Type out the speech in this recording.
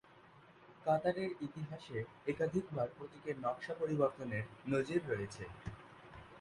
কাতারের ইতিহাসে একাধিকবার প্রতীকের নকশা পরিবর্তনের নজির রয়েছে।